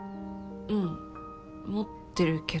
うん持ってるけど。